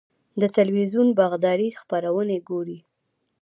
د تلویزیون د باغدارۍ خپرونې ګورئ؟